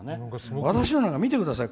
私のなんか見てください。